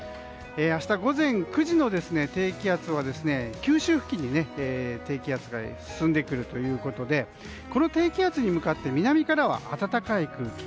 明日午前９時の低気圧は九州付近に低気圧が進んでくるということでこの低気圧に向かって南からは暖かい空気。